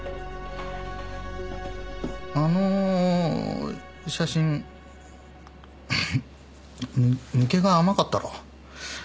あの写真抜けが甘かったろ。